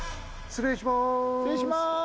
失礼します。